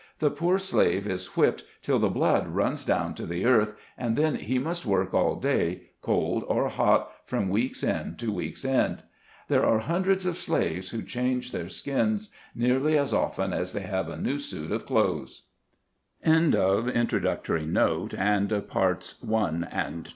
The poor slave is whipped till the blood runs down to the earth, and then he must work all day, cold or hot, from week's end to week's end. There are hundreds of slaves who change their skins nearly as often as they have a new suit of cloth